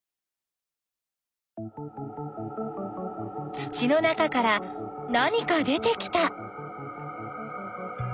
土の中から何か出てきた。